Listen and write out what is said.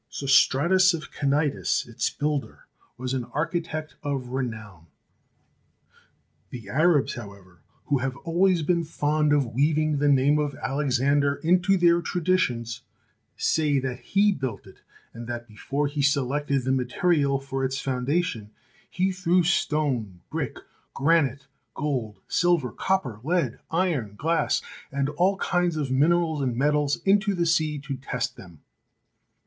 Sostratus, of Cnidus, its builder, was an architect of renown. The Arabs, however, who have always been fond THE PHAROS OF ALEXANDRIA 175 of weaving the name of Alexander into their tradi tions, say that he built it, and that before he selected the material for its foundation, "he threw stone, brick, granite, gold, silver, copper, lead, iron, glass, and all kinds of minerals and metals into the sea to test them.